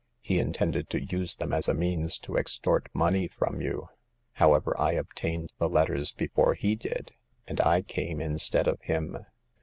" He intended to use them as a means to extort money from you. However, I obtained the letters before he did, and I came instead of him."